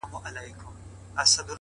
صبر د هیلو اوږد ساتونکی دی,